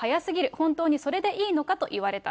本当にそれでいいのかと言われた。